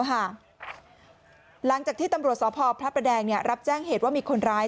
หลังจากที่ตำรวจสพพระประแดงรับแจ้งเหตุว่ามีคนร้าย